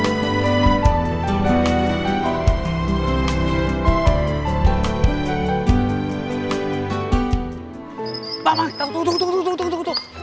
kita yang lalu terhubung bersama baik